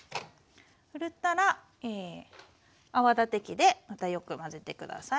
ふるったら泡立て器でまたよく混ぜて下さい。